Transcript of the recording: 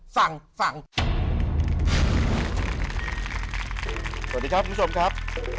สวัสดีครับคุณผู้ชมครับ